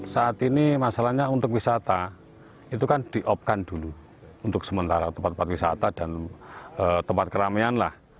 saat ini masalahnya untuk wisata itu kan di op kan dulu untuk sementara tempat tempat wisata dan tempat keramaian lah